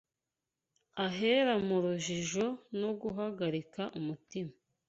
Ahera mu rujijo no guhagarika umutima